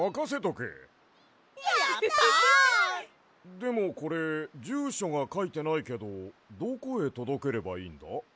でもこれじゅうしょがかいてないけどどこへとどければいいんだ？